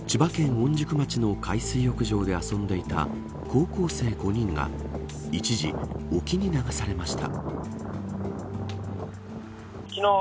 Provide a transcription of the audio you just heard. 御宿町の海水浴場で遊んでいた高校生５人が一時、沖に流されました。